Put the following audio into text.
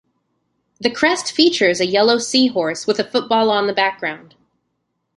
The crest features a yellow seahorse with a football on the background.